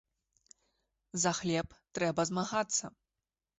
За хлеб трэба змагацца!